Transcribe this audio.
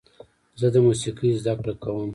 زه د موسیقۍ زده کړه کوم.